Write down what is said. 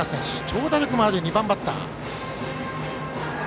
長打力もある２番バッター。